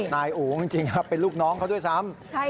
นายอู๋จริงเป็นลูกน้องเขาด้วยซ้ำ